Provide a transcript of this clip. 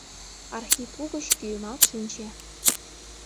Архип угыч кӱэмалт шинче.